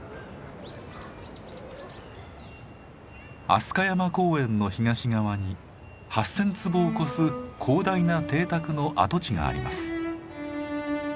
飛鳥山公園の東側に８，０００坪を超す広大な邸宅の跡地があります。